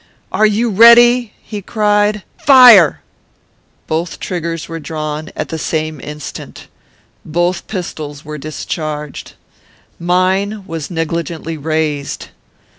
'Are you ready?' he cried; 'fire!' "Both triggers were drawn at the same instant. Both pistols were discharged. Mine was negligently raised.